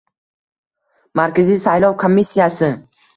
Markaziy saylov komissiyasi: